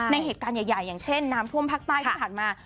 ในเหตุการณ์ใหญ่อย่างเช่นน้ำถ้วมภาคใต้ข้าถมา